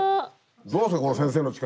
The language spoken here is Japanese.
どうですかこの先生の力。